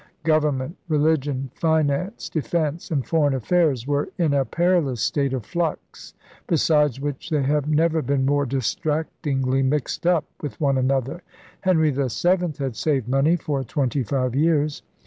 Govern ment, religion, finance, defence, and foreign affairs were in a perilous state of flux, besides which they have never been more distractingly mixed up with one another. Henry VII had saved money for twenty five years.